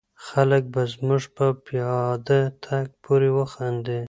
خلک به زموږ په پیاده تګ پورې وخاندي.